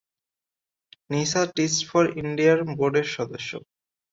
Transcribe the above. Nisa teach for ইন্ডিয়ার বোর্ডের সদস্য।